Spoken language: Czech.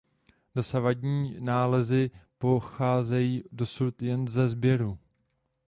Dosavadní nálezy pocházejí dosud jen se sběru.